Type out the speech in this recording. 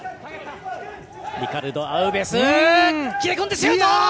リカルド・アウベス切れ込んでシュート！